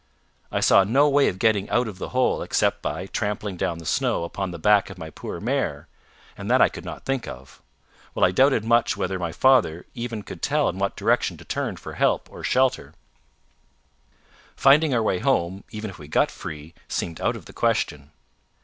I saw no way of getting out of the hole except by trampling down the snow upon the back of my poor mare, and that I could not think of; while I doubted much whether my father even could tell in what direction to turn for help or shelter. Finding our way home, even if we got free, seemed out of the question.